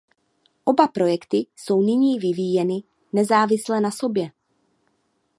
Oba projekty jsou nyní vyvíjeny nezávisle na sobě.